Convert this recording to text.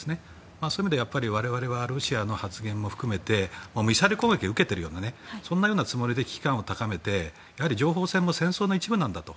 そういう意味では我々はロシアの発言も含めてミサイル攻撃を受けているようなそんなようなつもりを危機感を高めて情報戦も戦争の一部なんだと。